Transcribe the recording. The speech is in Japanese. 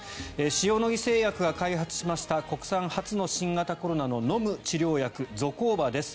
塩野義製薬が開発しました国産初の新型コロナの飲む治療薬ゾコーバです。